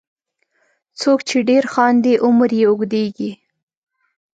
• څوک چې ډېر خاندي، عمر یې اوږدیږي.